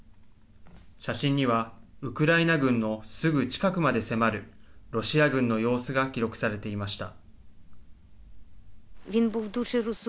写真には、ウクライナ軍のすぐ近くまで迫るロシア軍の様子が記録されていました。